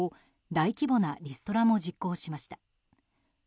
大規模なリストラも実行しました。